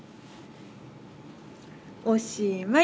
おしまい。